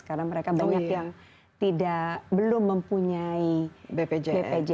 karena mereka banyak yang belum mempunyai bpjs